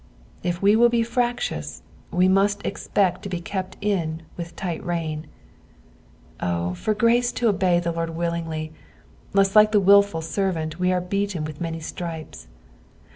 If we will be fractious, we must expect to be kept in with tight rein. Oh, for grace to obey the Lord witlincly, lest like the wilful servant, we are beaten with many stripes.